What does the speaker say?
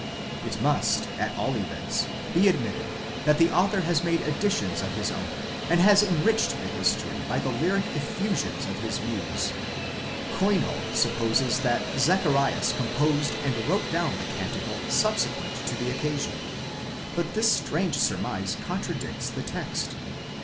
It must, at all events, be admitted that the author has made additions of his own, and has enriched the history by the lyric effusions of his muse. Kuin6l supposes that Zacharias composed and wrote down the canticle subsequent to the occasion ; but this strange surmise contradicts the text.